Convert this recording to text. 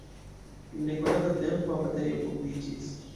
En nekonata tempo abatejo fondiĝis.